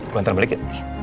gue ntar balik ya